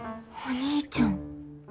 お兄ちゃん。